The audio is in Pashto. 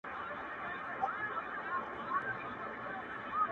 په خامه خوله وعده پخه ستایمه،